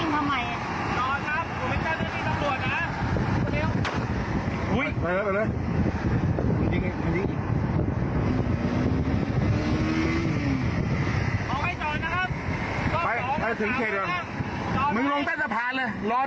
หลอนโจรตรงจรฟาน